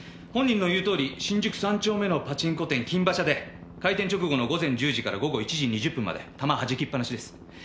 本人の言うとおり新宿３丁目のパチンコ店金馬車で開店直後の午前１０時から午後１時２０分まで玉はじきっぱなしです。